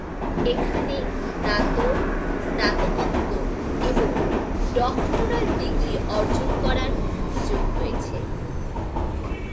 এখানে স্নাতক, স্নাতকোত্তর এবং ডক্টরাল ডিগ্রি অর্জন করার সুযোগ রয়েছে।